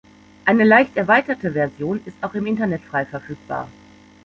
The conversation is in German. Eine leicht erweiterte Version ist auch im Internet frei verfügbar.